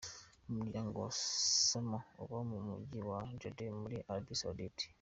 Umuryango wa Osama uba mu mujyi wa Jeddah muri Arabie Saoudite.